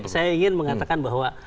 saya ingin mengatakan bahwa